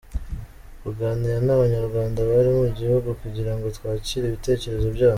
Kuganira n’Abanyarwanda bari mu gihugu kugirango twakire ibitekerezo byabo,